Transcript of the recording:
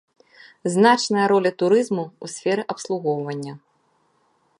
Значная роля турызму і сферы абслугоўвання.